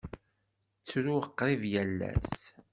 Ttruɣ qrib yal ass.